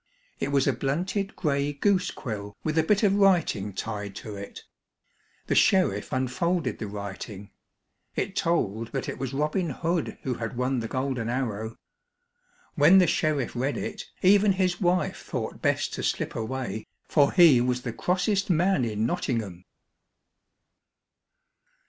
It was a blunted gray goose quill with a bit of writing tied to it. The sheriff unfolded the writing. It told that it was Robin Hood who had won the golden arrow. When the sheriff read it, even his wife thought best to slip away, for he was the crossest man in Nottingham.